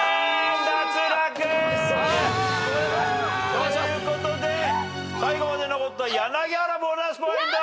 脱落。ということで最後まで残った柳原ボーナスポイント。